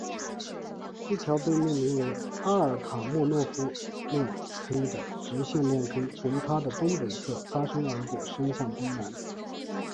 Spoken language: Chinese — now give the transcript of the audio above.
一条被命名为阿尔塔莫诺夫链坑的直线链坑从它的东北侧擦身而过伸向东南。